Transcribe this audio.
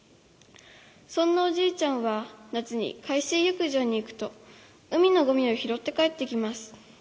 そんなおじいちゃんは夏に海水よくじょうに行くと海のゴミをひろって帰って来ます。